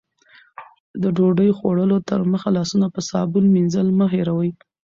د ډوډۍ خوړلو تر مخه لاسونه په صابون مینځل مه هېروئ.